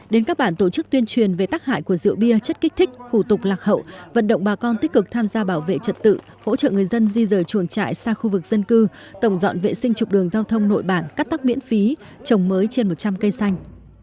đến các bản tổ chức tuyên truyền về tác hại của rượu bia chất kích thích khủ tục lạc hậu vận động bà con tích cực tham gia bảo vệ trật tự hỗ trợ người dân di rời chuồng trại xa khu vực dân cư tổng dọn vệ sinh chụp đường giao thông nội bản cắt tóc miễn phí trồng mới trên một trăm linh cây xanh